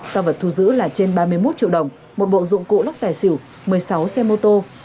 tăng vật thu giữ là trên ba mươi một triệu đồng một bộ dụng cụ lắc tài xỉu một mươi sáu xe mô tô